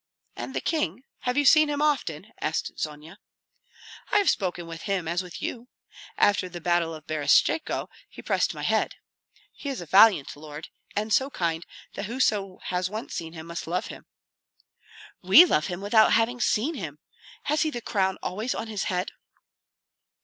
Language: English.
"And the king, have you seen him often?" asked Zonia. "I have spoken with him as with you. After the battle of Berestechko he pressed my head. He is a valiant lord, and so kind that whoso has once seen him must love him." "We love him without having seen him. Has he the crown always on his head?"